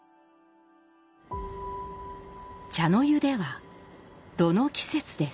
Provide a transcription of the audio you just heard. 茶の湯では「炉」の季節です。